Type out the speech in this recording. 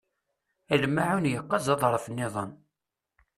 Lmaεun yeqqaz-d aḍref-iḍen.